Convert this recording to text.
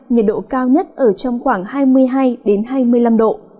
nhiệt độ cao nhất ở trong khoảng hai mươi hai hai mươi năm độ